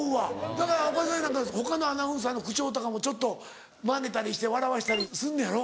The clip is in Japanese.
だから岡副なんか他のアナウンサーの口調とかもちょっとまねたりして笑わしたりすんのやろ？